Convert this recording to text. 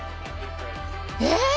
えっ！？